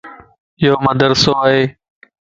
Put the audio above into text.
ايو مدرسو ائي